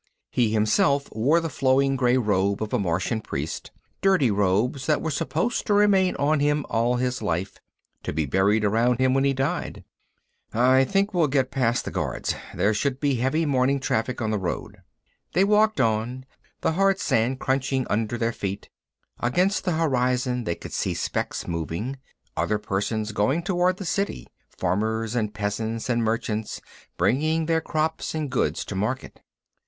He, himself, wore the flowing grey robe of a Martian priest, dirty robes that were supposed to remain on him all his life, to be buried around him when he died. "I think we'll get past the guards. There should be heavy morning traffic on the road." They walked on, the hard sand crunching under their feet. Against the horizon they could see specks moving, other persons going toward the City, farmers and peasants and merchants, bringing their crops and goods to market.